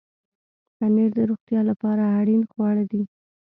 پنېر د روغتیا لپاره اړین خواړه دي.